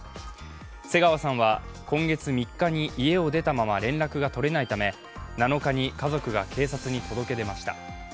瀬川は今月３日に家を出たまま連絡が取れないため７日に家族が警察に届け出ました。